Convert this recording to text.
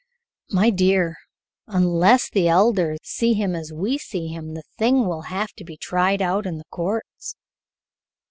"My dear, unless the Elder sees him as we see him, the thing will have to be tried out in the courts."